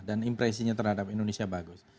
dan impresinya terhadap indonesia bagus